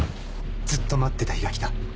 ずっと待ってた日が来た。